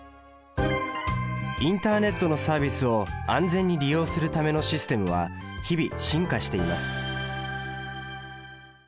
インターネットのサービスを安全に利用するためのシステムは日々進化しています。